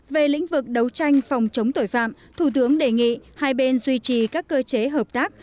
về lĩnh vực đấu tranh phòng chống tội phạm thủ tướng đề nghị hai bên duy trì các cơ chế hợp tác